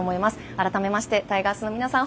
改めまして、タイガースの皆さん